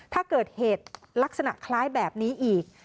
ถ้าเกิดเหตุลักษณะคล้ายแบบนี้อีก